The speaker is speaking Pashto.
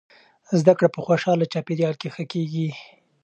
زده کړه په خوشحاله چاپیریال کې ښه کیږي.